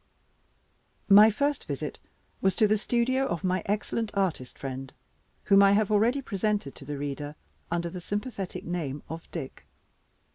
My first visit was to the studio of my excellent artist friend, whom I have already presented to the reader under the sympathetic name of "Dick."